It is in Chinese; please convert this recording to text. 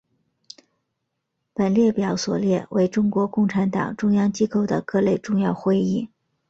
本列表所列为中国共产党中央机构的各类重要会议。